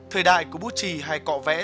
thời đại của bút trì hay cọ vẽ